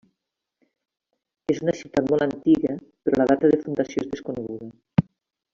És una ciutat molt antiga, però la data de fundació és desconeguda.